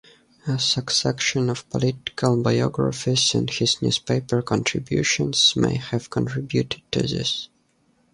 A succession of political biographies and his newspaper contributions may have contributed to this.